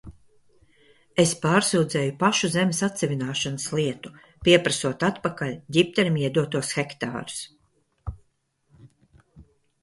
Es pārsūdzēju pašu zemes atsavināšanas lietu, pieprasot atpakaļ Ģipterim iedotos hektārus.